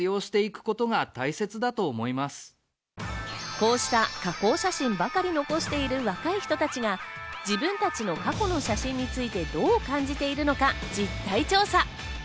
こうした、加工写真ばかり残している若い人たちが、自分たちの過去の写真について、どう感じているのか実態調査。